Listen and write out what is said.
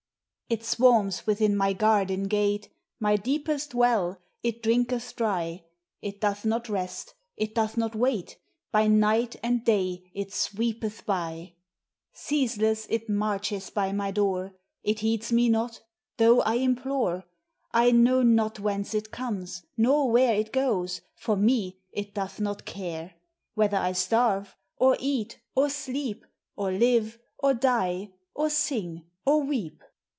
It swarms within my garden gate ; My deepest well it drinketh dry. It doth not rest ; it doth not wait ; By night arid day it sweepeth by; Ceaseless it inarches by my door ; It heeds me not, though I implore. I know not whence it comes, nor where It goes. For me it doth not care — Whether I starve, or eat, or sleep, Or live, or die, or sing, or weep.